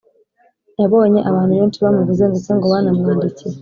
yabonye abantu benshi bamubuze ndetse ngo banamwandikiye